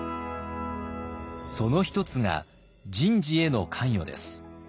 その一つが人事への関与です。